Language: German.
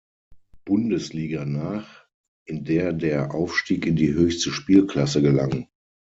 Bundesliga nach, in der der Aufstieg in die höchste Spielklasse gelang.